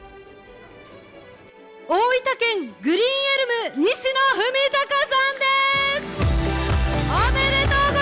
大分県グリーンエルム、西野文貴さんです。